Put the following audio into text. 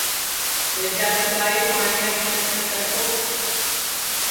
سِجادی ٻائی پاٹِؔیا کی چٹٹؔیں کرتو